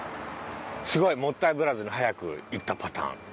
すごいもったいぶらずに早く言ったパターン。